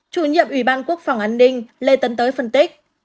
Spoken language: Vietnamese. chủ nhiệm ủy ban quốc phòng an ninh lê tấn tới phân tích